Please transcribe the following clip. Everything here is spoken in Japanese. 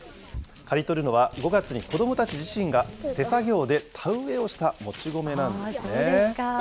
刈り取るのは、５月に子どもたち自身が手作業で田植えをしたもち米なんですね。